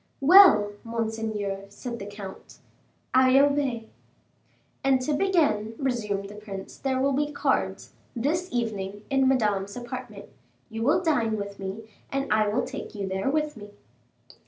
"Well, monseigneur," said the comte, "I obey." "And to begin," resumed the prince, "there will be cards, this evening, in Madame's apartment; you will dine with me, and I will take you there with me."